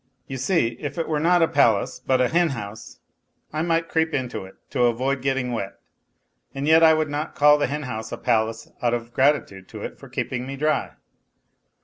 You see, if it were not a palace, but a hen house, I might creep into it to avoid getting wet, and yet I would not call the hen house a palace out of gratitude to it for keeping me dry.